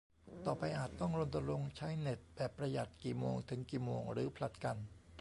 ต่อไปอาจต้องรณรงค์ใช้เน็ตแบบประหยัดกี่โมงถึงกี่โมง หรือผลัดกัน